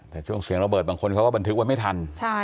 แต่ช่วงเสียงระเบิดบางคนเขาก็บันทึกไว้ไม่ทัน